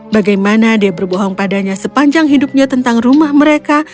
bagaimana dia berbohong padanya sepanjang hidupnya tentang rumah mereka